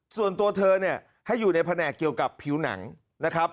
ส่วนตัวเธอเนี่ยให้อยู่ในแผนกเกี่ยวกับผิวหนังนะครับ